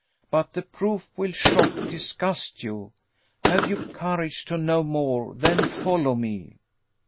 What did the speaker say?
But the proof will shock disgust you. Have you courage to know more? Then follow me."